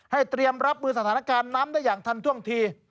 เตรียมรับมือสถานการณ์น้ำได้อย่างทันท่วงที